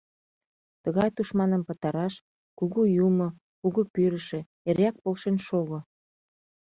Тыгай тушманым пытараш, кугу юмо, кугу пӱрышӧ, эреак полшен шого.